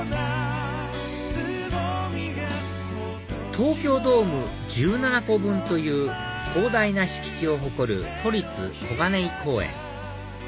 東京ドーム１７個分という広大な敷地を誇る都立小金井公園